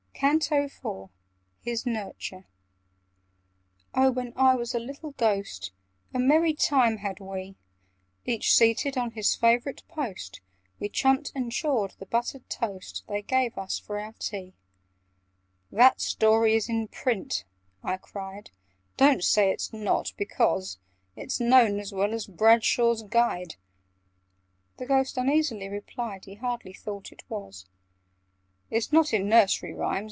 CANTO IV Hys Nouryture "OH, when I was a little Ghost, A merry time had we! Each seated on his favourite post, We chumped and chawed the buttered toast They gave us for our tea." [Picture: We chumped and chawed the buttered toast] "That story is in print!" I cried. "Don't say it's not, because It's known as well as Bradshaw's Guide!" (The Ghost uneasily replied He hardly thought it was). "It's not in Nursery Rhymes?